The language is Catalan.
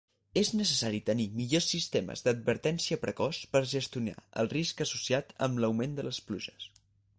És necessari tenir millors sistemes d'advertència precoç per gestionar el risc associat amb l'augment de les pluges.